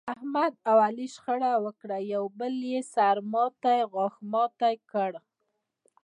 احمد او علي شخړه وکړه، یو بل یې سر ماتی او غاښ ماتی کړل.